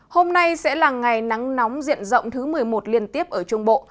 hôm nay sẽ là ngày nắng nóng diện rộng thứ một mươi một liên tiếp ở trung bộ